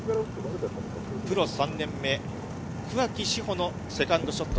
プロ３年目、桑木志帆のセカンドショット。